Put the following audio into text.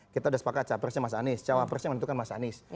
kita udah sepakat cawapresnya mas anis cawapresnya yang menentukan mas anis